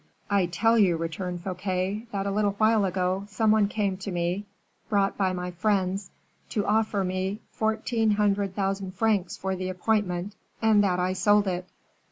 "I tell you," returned Fouquet, "that a little while ago, some one came to me, brought by my friends, to offer me fourteen hundred thousand francs for the appointment, and that I sold it."